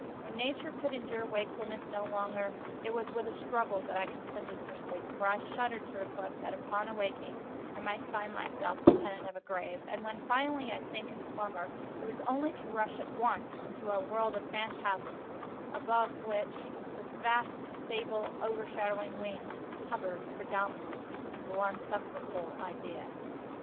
When Nature could endure wakefulness no longer, it was with a struggle that I consented to sleep—for I shuddered to reflect that, upon awaking, I might find myself the tenant of a grave. And when, finally, I sank into slumber, it was only to rush at once into a world of phantasms, above which, with vast, sable, overshadowing wing, hovered, predominant, the one sepulchral Idea.